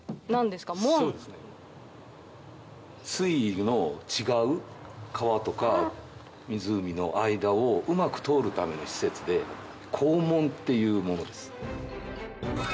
水位の違う川とか湖の間をうまく通るための施設で閘門っていうものです。